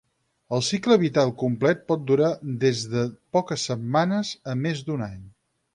El cicle vital complet pot durar des de poques setmanes a més d’un any.